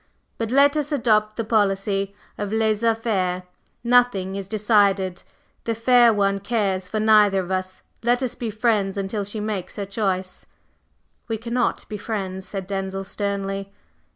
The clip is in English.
But let us adopt the policy of laissez faire. Nothing is decided; the fair one cares for neither of us; let us be friends until she makes her choice." "We cannot be friends," said Denzil, sternly.